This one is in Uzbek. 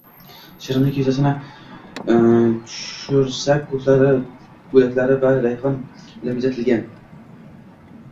Shirinlik yuzasini turshak bo‘laklari va rayhon bilan bezating